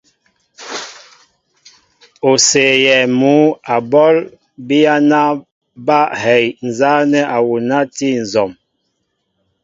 O séyɛɛ mŭ a ɓɔl, biyana ba hɛy nzanɛɛ awuna a ti nzɔm.